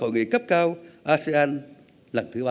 hội nghị cấp cao asean lần thứ ba mươi sáu